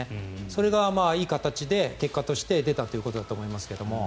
それがいい形で結果として出たということだと思いますが。